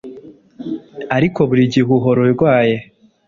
ariko burigihe uhora urwaye